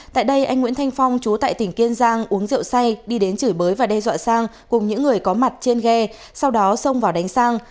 tại đây anh nguyễn thanh phong chú tại tỉnh kiên giang uống rượu say đi đến chửi bới và đe dọa sang cùng những người có mặt trên ghe sau đó xông vào đánh sang